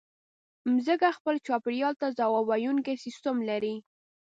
مځکه خپل چاپېریال ته ځواب ویونکی سیستم لري.